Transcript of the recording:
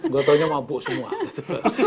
gak taunya mabuk semua gitu